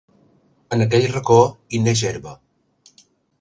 En aquell racó, hi neix herba.